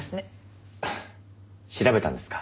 調べたんですか？